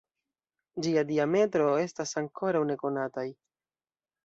Ĝia diametro estas ankoraŭ nekonataj.